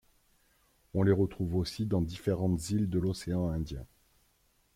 On les retrouve aussi dans différentes îles de l'océan Indien.